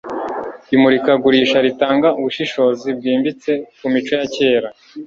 imurikagurisha ritanga ubushishozi bwimbitse kumico ya kera